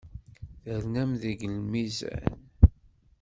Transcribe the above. Ternam deg lmizan.